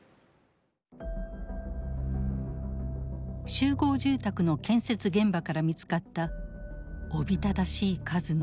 集合住宅の建設現場から見つかったおびただしい数の人骨。